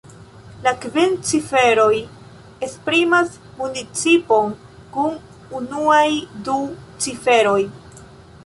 La kvin ciferoj esprimas municipon kun unuaj du ciferoj.